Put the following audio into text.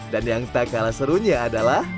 dan yang tak kalah serunya adalah